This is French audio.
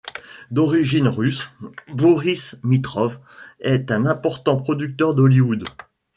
D’origine russe, Boris Mitrov est un important producteur d’Hollywood.